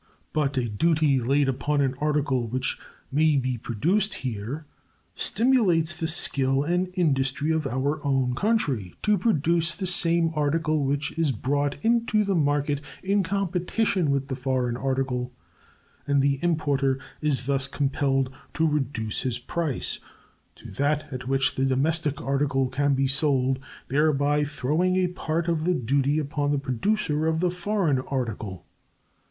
But a duty laid upon an article which may be produced here stimulates the skill and industry of our own country to produce the same article, which is brought into the market in competition with the foreign article, and the importer is thus compelled to reduce his price to that at which the domestic article can be sold, thereby throwing a part of the duty upon the producer of the foreign article.